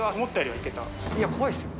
いや、怖いっすよ。